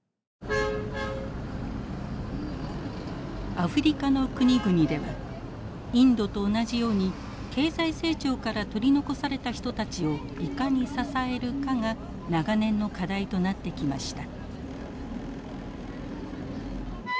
アフリカの国々ではインドと同じように経済成長から取り残された人たちをいかに支えるかが長年の課題となってきました。